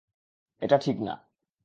এটা ঠিক না!